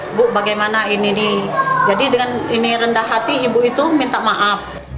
ibu bagaimana ini jadi dengan ini rendah hati ibu itu minta maaf